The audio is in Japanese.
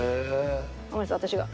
ごめんなさい私が。